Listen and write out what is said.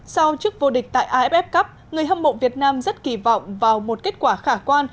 sau chức vô địch tại aff cup người hâm mộ việt nam rất kỳ vọng vào một kết quả khả quan